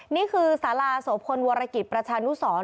นี่คือสาราโสพลวรกิจประชานุสร